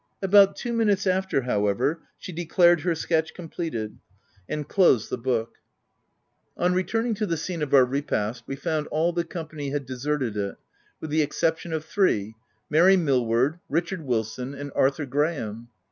About two minutes after, however, she de clared her sketch completed and closed the book. On returning to the scene of our repast, we found all the company had deserted it, with the exception of three — Mary Millward, Richard Wilson, and Arthur Graham.